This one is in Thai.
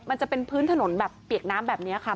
มันจะเป็นพื้นถนนแบบเปียกน้ำแบบนี้ค่ะ